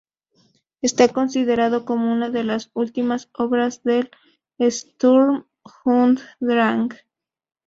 Está considerado como una de las últimas obras del "Sturm und Drang".